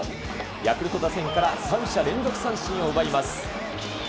ヤクルト打線から三者連続三振を奪います。